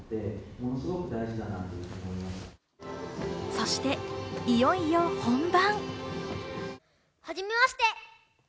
そしていよいよ本番。